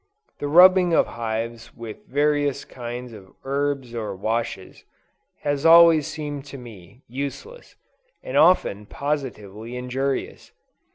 The rubbing of hives with various kinds of herbs or washes, has always seemed to me, useless, and often positively injurious.